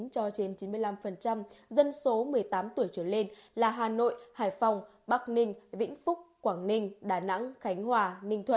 cho trên chín mươi năm dân số một mươi tám tuổi trở lên là hà nội hải phòng bắc ninh vĩnh phúc quảng ninh đà nẵng khánh hòa ninh thuận